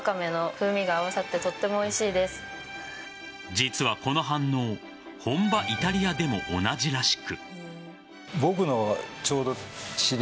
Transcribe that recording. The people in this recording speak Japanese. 実はこの反応本場・イタリアでも同じらしく。